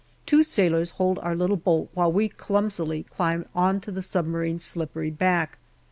Two sailors hold our little boat while we clumsily climb on to the submarine's slippery back.